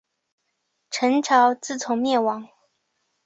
陈朝自从灭亡。